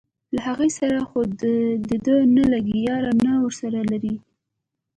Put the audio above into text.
له هغې سره خو دده نه لګي یاري نه ورسره لري.